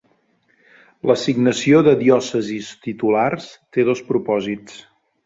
L'assignació de diòcesis titulars té dos propòsits.